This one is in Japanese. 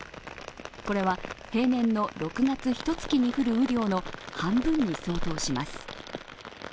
これは平年の６月ひとつきに降る雨量の半分に相当します。